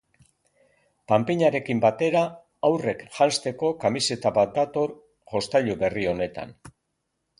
Panpinarekin batera haurrek janzteko kamiseta bat dator jostailu berri honetan.